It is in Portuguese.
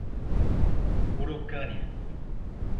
Urucânia